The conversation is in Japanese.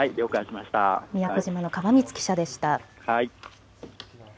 宮古島の川満記者でした。